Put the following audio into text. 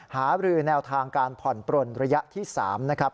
หารือแนวทางการผ่อนปลนระยะที่๓นะครับ